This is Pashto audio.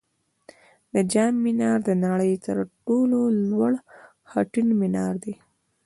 د جام منار د نړۍ تر ټولو لوړ خټین منار دی